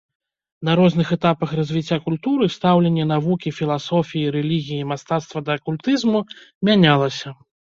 На розных этапах развіцця культуры стаўленне навукі, філасофіі, рэлігіі, мастацтва да акультызму мянялася.